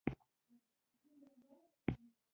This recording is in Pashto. د چټلو اوبو یا فاضلاب ستونزې د حل لپاره یې پانګونه وکړه.